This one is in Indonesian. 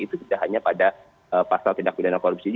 itu tidak hanya pada pasal tindak pidana korupsi